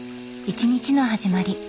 一日の始まり。